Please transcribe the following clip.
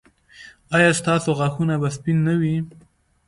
ایا ستاسو غاښونه به سپین نه وي؟